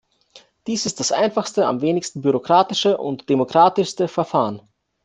Dies ist das einfachste, am wenigsten bürokratische und demokratischste Verfahren.